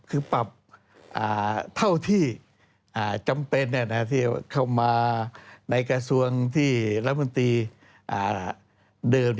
คือปรับเท่าที่จำเป็นที่เข้ามาในกระทรวงที่รัฐมนตรีเดิม